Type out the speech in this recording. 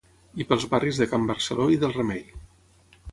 i pels barris de can Barceló i del Remei